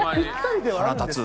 腹立つ。